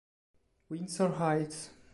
Windsor Heights